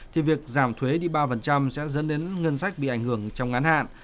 thì việc giảm thuế đi ba sẽ dẫn đến ngân sách bị ảnh hưởng trong ngắn hạn